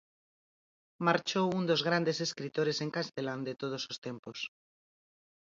Marchou un dos grandes escritores en castelán de todos os tempos.